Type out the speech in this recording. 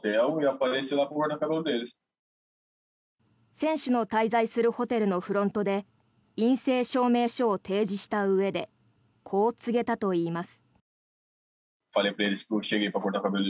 選手の滞在するホテルのフロントで陰性証明書を提示したうえでこう告げたといいます。